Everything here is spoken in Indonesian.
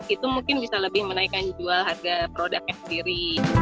itu mungkin bisa lebih menaikkan jual harga produknya sendiri